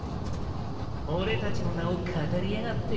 俺たちの名をかたりやがって。